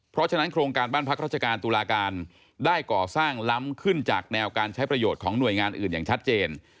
เพราะฉะนั้นโครงการบ้านพักราชการตุลาการได้ก่อสร้างล้ำขึ้นจากแนวการใช้ประโยชน์ของหน่วยงานอื่นอย่างชัดเจน